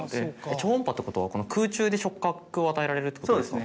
超音波ってことは空中で触覚を与えられるってことですか。